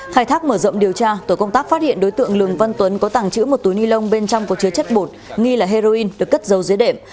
khai thác mở rộng điều tra tổ công tác phát hiện đối tượng lường văn tuấn có tàng trữ một túi ni lông bên trong có chứa chất bột nghi là heroin được cất dấu dưới đệm